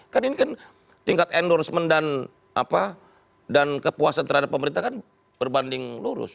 kan ini kan tingkat endorsement dan kepuasan terhadap pemerintah kan berbanding lurus